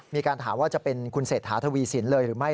มีการถามว่าจะเป็นคุณเศรษฐาทวีสินเลยหรือไม่